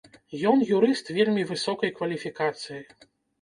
Ён юрыст вельмі высокай кваліфікацыі.